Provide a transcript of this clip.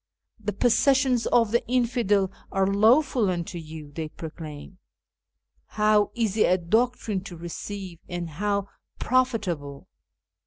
'The possessions of the infidel are lawful unto you,' they proclaim. How easy a doctrine to receive, and how profitable